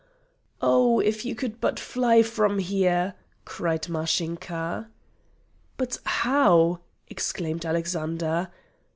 "Oh! if you could but fly from here!" cried Mashinka. "But how?" exclaimed Alexander.